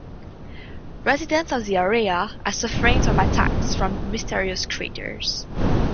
Residents of the area are suffering from attacks from mysterious creatures.